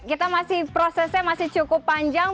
kita masih prosesnya masih cukup panjang